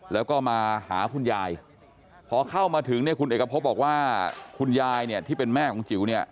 แล้วก็มาหาคุณยายพอเข้ามาถึงเนี่ยคุณเอกพบบอกว่าคุณยายเนี่ยที่เป็นแม่ของจิ๋วเนี่ย